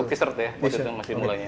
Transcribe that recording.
untuk t shirt ya untuk mulai